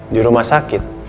di rumah sakit